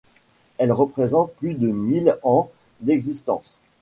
Elle représente plus de mille ans d’existence.